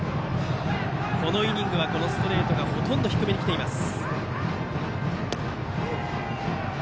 このイニングはストレートがほとんど低めに来ています。